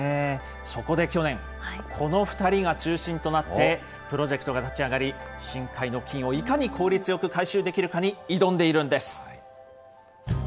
そこで去年、この２人が中心となって、プロジェクトが立ち上がり、深海の金をいかに効率よく回収できるかに挑んでいるんです。